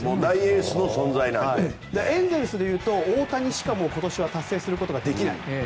エンゼルスでいうと大谷しか、もう今年は達成することができない。